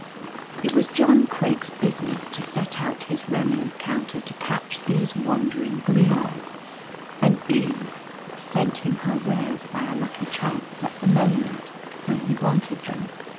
It was John Craik's business to set out his remnant counter to catch these wandering gleaners, and Eve sent him her wares by a lucky chance at the moment when he wanted them.